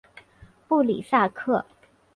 布里萨克。